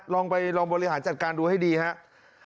ลองไปลองบริหารจัดการดูให้ดีครับ